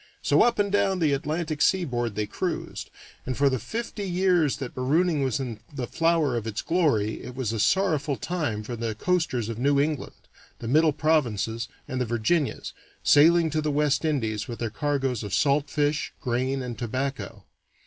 So up and down the Atlantic seaboard they cruised, and for the fifty years that marooning was in the flower of its glory it was a sorrowful time for the coasters of New England, the middle provinces, and the Virginias, sailing to the West Indies with their cargoes of salt fish, grain, and tobacco.